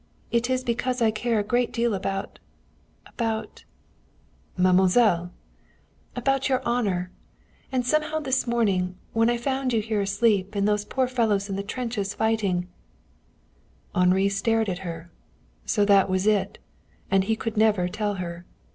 It is because I care a great deal about about " "Mademoiselle!" "About your honor. And somehow this morning, when I found you here asleep, and those poor fellows in the trenches fighting " Henri stared at her. So that was it! And he could never tell her.